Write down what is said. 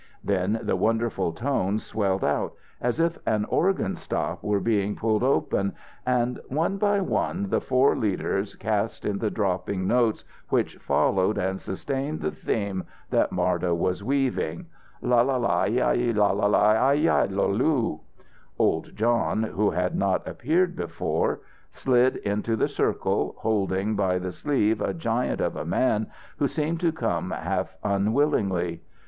Then the wonderful tone swelled out, as if an organ stop were being pulled open, and one by one, the four leaders cast in the dropping notes which followed and sustained the theme that Marda was weaving: "Lal la ai lala lalu! Ai l a a a lalu!" Old John, who had not appeared before, slid into the circle, holding by the sleeve a giant of a man who seemed to come half unwillingly.